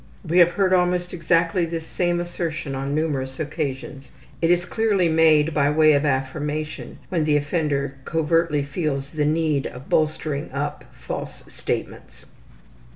We have heard almost exactly this same assertion on numerous occasions. It is clearly made by way of affirmation when the offender covertly feels the need of bolstering up false statements.